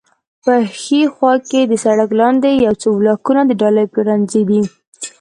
په ښي خوا کې د سړک لاندې یو څو بلاکونه د ډالۍ پلورنځی دی.